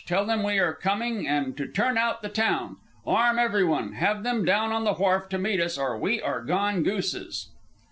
Tell them we are coming and to turn out the town. Arm everybody. Have them down on the wharf to meet us or we are gone gooses.